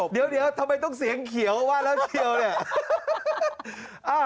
เดี๋ยวทำไมต้องเสียงเขียวว่าแล้วเชียวเนี่ย